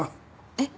えっ？